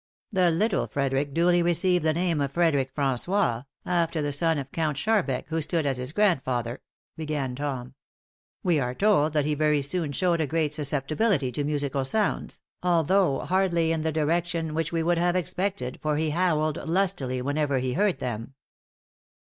"'The little Frederick duly received the name of Frederic François, after the son of Count Sharbek, who stood as his godfather,'" began Tom. "'We are told that he very soon showed a great susceptibility to musical sounds, although hardly in the direction which we should have expected, for he howled lustily whenever he heard them.